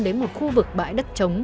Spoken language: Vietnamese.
đến một khu vực bãi đất trống